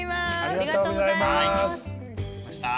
ありがとうございます。